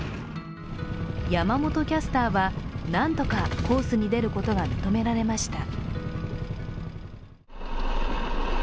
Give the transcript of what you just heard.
山本キャスターは何とかコースに出ることが認められました。